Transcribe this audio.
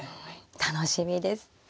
楽しみです。